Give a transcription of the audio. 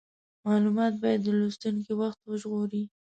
مالومات باید د لوستونکي وخت وژغوري.